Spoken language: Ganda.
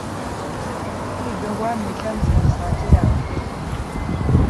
Kiridde obwami, ekyamusengusanga akyerabira.